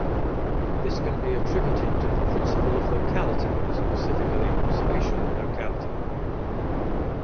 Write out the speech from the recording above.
This can be attributed to the Principle of Locality, specifically spatial locality.